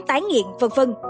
tái nghiện v v